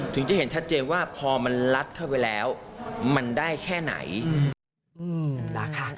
ถึงจะเห็นชัดเจนว่าพอมันลัดเข้าไปแล้วมันได้แค่ไหน